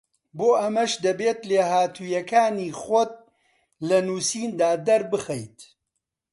بۆ ئەمەش دەبێت لێهاتووییەکانی خۆت لە نووسیندا دەربخەیت